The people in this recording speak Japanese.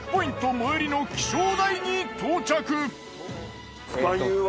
最寄りの気象台に到着。